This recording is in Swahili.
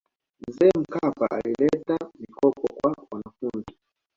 mzee mkapa alileta mikopo kwa wanafunzi